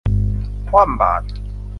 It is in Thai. คว่ำบาตร